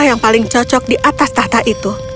yang paling cocok di atas tahta itu